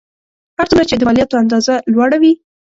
هر څومره چې د مالیاتو اندازه لوړه وي